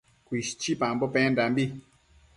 Cuishchipambo pendambi